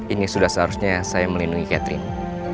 ini sudah seharusnya saya melindungi catherine